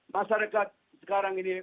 masyarakat sekarang ini